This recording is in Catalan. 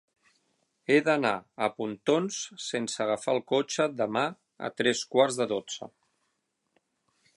He d'anar a Pontons sense agafar el cotxe demà a tres quarts de dotze.